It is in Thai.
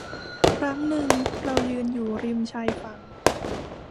ครั้งหนึ่งเรายืนอยู่ริมชายฝั่ง